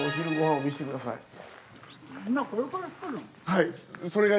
はい。